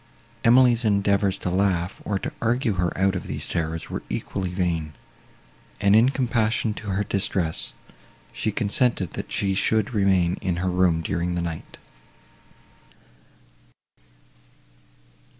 Emily's endeavours to laugh, or to argue her out of these terrors, were equally vain, and, in compassion to her distress, she consented that she should remain in her room during the night.